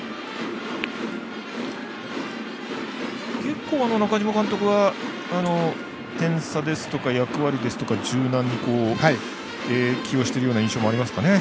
結構、中嶋監督は点差ですとか役割ですとか、柔軟に起用しているような印象もありますかね。